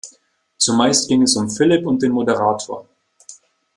Zumeist ging es um Philipp und den Moderator.